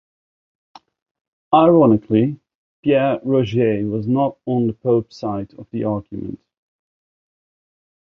Ironically, Pierre Roger was not on the Pope's side of the argument.